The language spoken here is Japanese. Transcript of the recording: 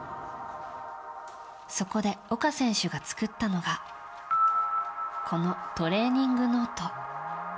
そこで、岡選手が作ったのがこのトレーニングノート。